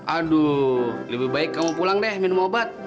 aduh lebih baik kamu pulang deh minum obat